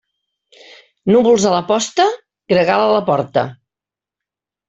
Núvols a la posta? Gregal a la porta.